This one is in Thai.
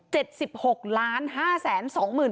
ขอให้ผู้หญิงมาเช่า